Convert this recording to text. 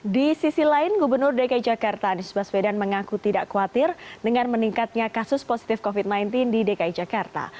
di sisi lain gubernur dki jakarta anies baswedan mengaku tidak khawatir dengan meningkatnya kasus positif covid sembilan belas di dki jakarta